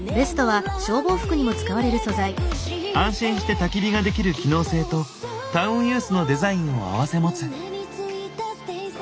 安心してたき火ができる機能性とタウンユースのデザインを併せ持つ。